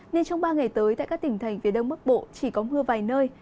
nên trong ba ngày tới tại các tỉnh thành phía đông bắc bộ chỉ có mưa vài nơi